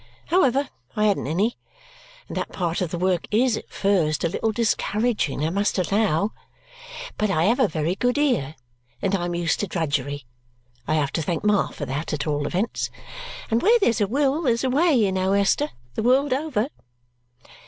However, I hadn't any; and that part of the work is, at first, a little discouraging, I must allow. But I have a very good ear, and I am used to drudgery I have to thank Ma for that, at all events and where there's a will there's a way, you know, Esther, the world over."